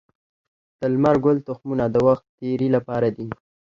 د لمر ګل تخمونه د وخت تیري لپاره دي.